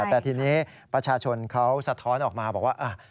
แต่ทีนี้ประชาชนเขาสะท้อนออกมาบอกว่า